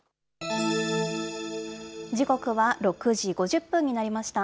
時刻は６時５０分になりました。